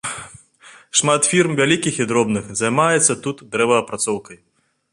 Шмат фірм, вялікіх і дробных, займаецца тут дрэваапрацоўкай.